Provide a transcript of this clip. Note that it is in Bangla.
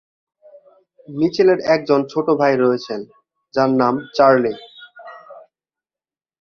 মিচেলের একজন ছোট ভাই রয়েছেন, যার নাম চার্লি।